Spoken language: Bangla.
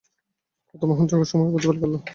কত মহান জগতসমূহের প্রতিপালক আল্লাহ!